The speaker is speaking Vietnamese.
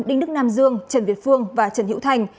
đinh đức nam dương trần việt phương và trần hữu thành